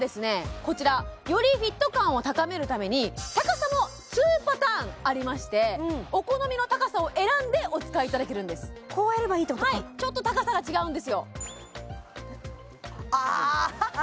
こちらよりフィット感を高めるために高さも２パターンありましてお好みの高さを選んでお使いいただけるんですこうやればいいってことかはいちょっと高さが違うんですよあっはっは！